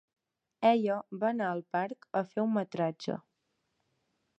Ella va anar al parc a fer un metratge.